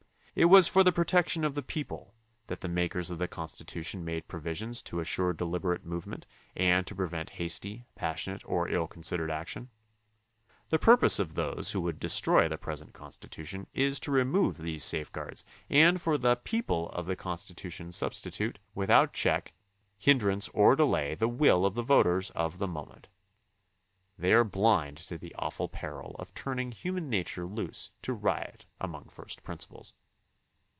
It was for the protection of the people that the makers of the Constitution made provisions to assure deliberate movement and to pre vent hasty, passionate, or ill considered action. The 82 THE CONSTITUTION AND ITS MAKERS purpose of those who would destroy the present Con stitution is to remove these safeguards and for the "people" of the Constitution substitute, without check, hindrance, or delay, the will of the voters of the moment. They are blind to the awful peril of turning human nature loose to riot among &st principles.